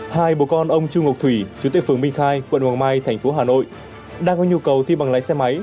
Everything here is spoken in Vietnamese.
hai bố con ông chu ngọc thủy chú tệ phường minh khai quận hoàng mai thành phố hà nội đang có nhu cầu thi bằng lái xe máy